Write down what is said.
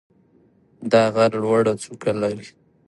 دا غر لوړه څوکه لري.